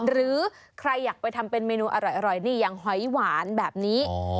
หรือใครอยากไปทำเป็นเมนูอร่อยนี่อย่างหอยหวานแบบนี้